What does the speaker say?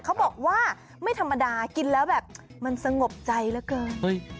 เขาบอกว่าไม่ธรรมดากินแล้วแบบมันสงบใจเหลือเกิน